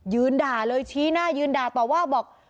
ด่าเลยชี้หน้ายืนด่าต่อว่าบอก